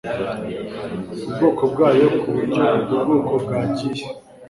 ubwoko bwayo ku buryo ubwo bwoko bwagiye